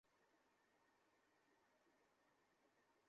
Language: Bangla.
দেখো তুমি বসে থাকো আর শুয়ে থাকো, এতে আমার কিছু যায় আসে না।